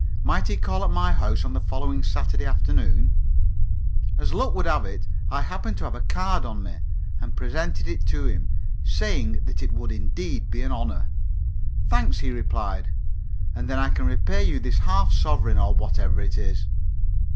Might he call at my house on the following Saturday afternoon? As luck would have it, I happened to have a card on me, and presented it to him, saying that it would indeed be an honour. "Thanks," he replied, "and then I can repay you this half sovereign, or whatever it is."